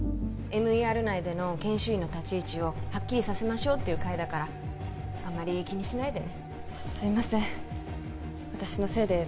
ＭＥＲ内での研修医の立ち位置をはっきりさせましょうっていう会だからあんまり気にしないでねすいません